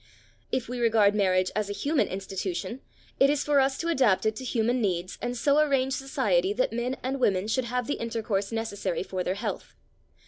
If we regard marriage as a human institution, it is for us to adapt it to human needs and so arrange society that men and women should have the intercourse necessary for their health.